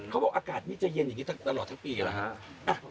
เขาบอกอากาศนี้จะเย็นอย่างนี้ตลอดทั้งปีกันเหรอฮะ